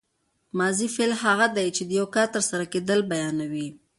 ماضي فعل هغه دی چې د یو کار تر سره کېدل بیانوي.